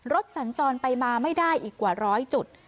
สัญจรไปมาไม่ได้อีกกว่าร้อยจุด